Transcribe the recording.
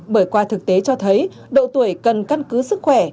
bởi qua thực tế cho thấy độ tuổi cần căn cứ sức khỏe